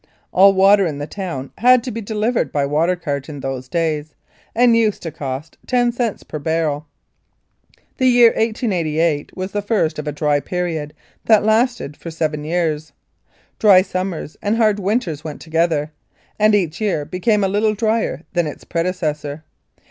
All water in the town had to be delivered by water cart in those days, and used to cost ten cents per barrel. The year 1888 was the first of a dry period that lasted for seven years. Dry summers and hard winters went together, and each year became a little drier than its predecessor.